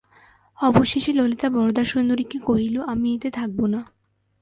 অবশেষে ললিতা বরদাসুন্দরীকে কহিল, আমি এতে থাকব না।